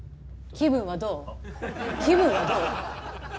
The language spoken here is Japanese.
気分はどう？